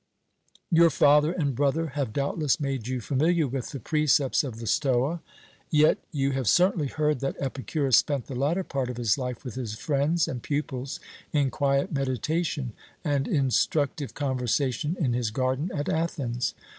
"Your father and brother have doubtless made you familiar with the precepts of the Stoa; yet you have certainly heard that Epicurus spent the latter part of his life with his friends and pupils in quiet meditation and instructive conversation in his garden at Athens.